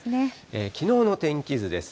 きのうの天気図です。